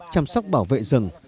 chăm sóc bảo vệ rừng